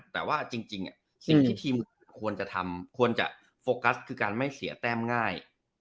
แต่ว่าจริงสิ่งที่ทีมควรจะทำควรจะโฟกัสคือการไม่เสียแต้มง่าย